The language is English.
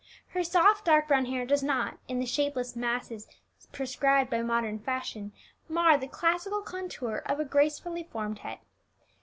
Her soft dark brown hair does not, in the shapeless masses prescribed by modern fashion, mar the classical contour of a gracefully formed head.